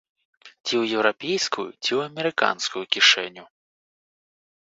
Ці ў еўрапейскую, ці ў амерыканскую кішэню.